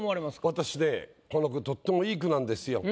私ねこの句とっても良い句なんですよ。